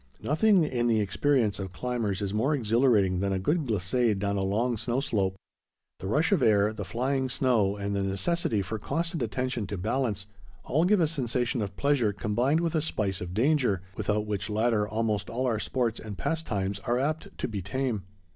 Nothing in the experience of climbers is more exhilarating than a good glissade down a long snow slope. The rush of air, the flying snow, and the necessity for constant attention to balance—all give a sensation of pleasure, combined with a spice of danger, without which latter almost all our sports and pastimes are apt to be tame.